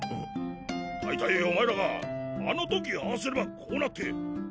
大体お前らがあの時ああすればこうなってああなって。